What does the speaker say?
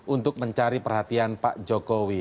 untuk mencari perhatian pak jokowi